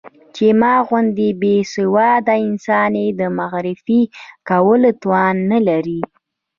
چې ما غوندې بې سواده انسان يې د معرفي کولو توان نه لري.